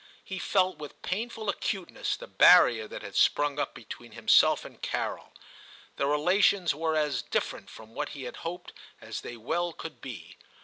He felt with painful acuteness the barrier that had sprung up between him self and Carol. Their relations were as different from what he had hoped as they well could be.